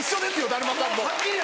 だるまさんも。